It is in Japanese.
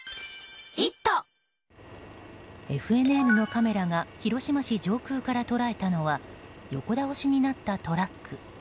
ＦＮＮのカメラが広島市上空から捉えたのは横倒しになったトラック。